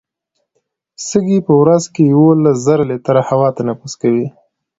سږي په ورځ یوولس زره لیټره هوا تنفس کوي.